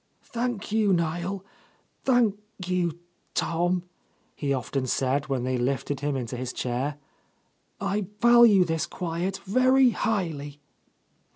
"Thank you, Niel, thank you, Tom," he often said when they lifted him into his chair. "I value this quiet very highly."